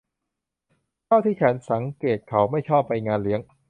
เท่าที่ฉันสังเกตเขาไม่ชอบไปงานเลี้ยง